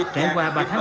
trải qua ba tháng